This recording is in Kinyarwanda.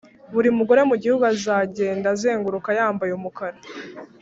buri mugore mugihugu azagenda azenguruka yambaye umukara